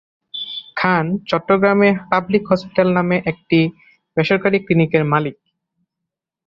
খান চট্টগ্রামে 'public hospital' নামে একটি বেসরকারি ক্লিনিকের মালিক।